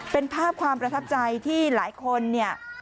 เป็นภาพความประทับใจที่หลายคนเนี่ย